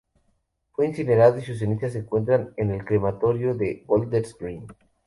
Fue incinerado y sus cenizas se encuentran en el crematorio de Golders Green.